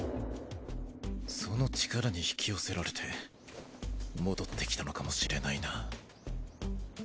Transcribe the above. その力に引き寄せられて戻ってきたのかもしれないな。